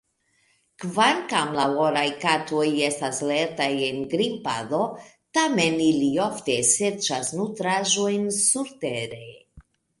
Kvankam la oraj katoj estas lertaj en grimpado, tamen ili ofte serĉas nutraĵojn surtere.